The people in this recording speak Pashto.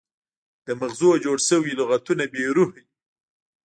د مغزو جوړ شوي لغتونه بې روحه وي.